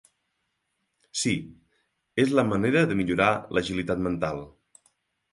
Sí, és la manera de millorar l'agilitat mental.